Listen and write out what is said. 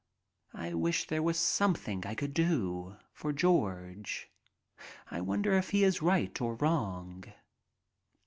I wish there was something I could do for George. I wonder if he is right or wrong.